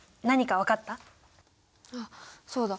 あっそうだ！